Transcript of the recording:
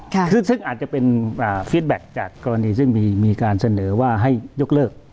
ค่ะซึ่งซึ่งอาจจะเป็นอ่าจากกรณีซึ่งมีมีการเสนอว่าให้ยกเลิก